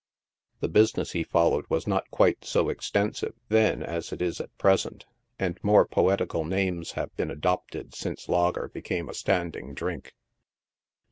The business he followed was not quite so extensive then as it is at present, and more poetical names have been adopted since lager became a stand ing drink.